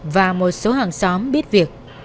và một số hàng xóm biết việc